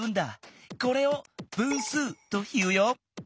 これを「分数」というよ。